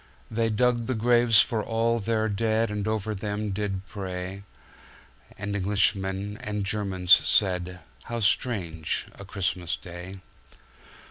They dug the graves for all their deadAnd over them did pray:And Englishmen and Germans said:"How strange a Christmas Day!"